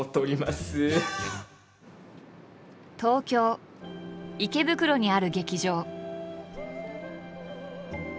東京池袋にある劇場。